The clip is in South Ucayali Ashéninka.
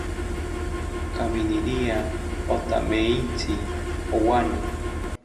Kaminiria othameitzi owane